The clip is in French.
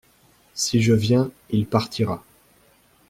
Si je viens, il partira.